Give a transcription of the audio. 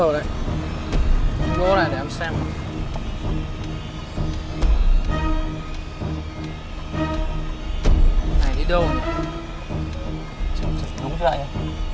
cố này để em xem